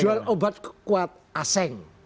jual obat kuat asing